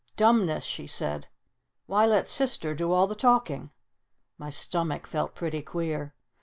"Dumbness!" she said. "Why let Sister do all the talking?" My stomach felt pretty queer.